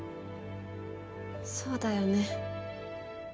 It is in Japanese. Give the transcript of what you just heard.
そうだよね。